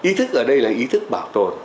ý thức ở đây là ý thức bảo tồn